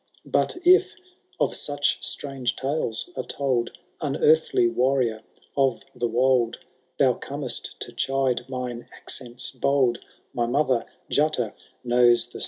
But if— of such strange tales are told,— Unearthly warrior of the wold. Thou comest to chide mine accents bold. My mother, Jutta, knows the spell.